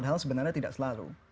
karena tidak selalu